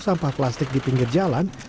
sampah plastik di pinggir jalan